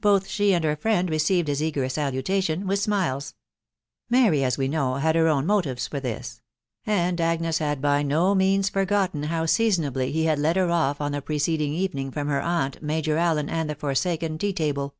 Both she and her friend received his eager salutation with smiles : Mary, as we know, had her own mo tives for this ; and Agnes had by no means forgotten how sea sonably he had led her off on the preceding evening from her aunt, Major Allen, and the forsaken tea table.